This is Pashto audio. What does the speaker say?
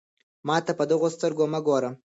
ما ته په دغو سترګو مه ګوره.